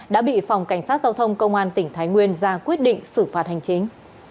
đã bị phòng cảnh sát giao thông công an tỉnh thái nguyên ra quyết định xử phạt hành chính